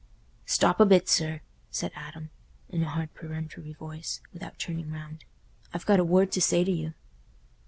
"Stop a bit, sir," said Adam, in a hard peremptory voice, without turning round. "I've got a word to say to you."